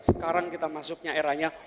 sekarang kita masuknya eranya